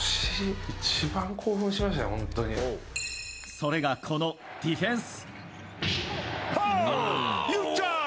それがこのディフェンス。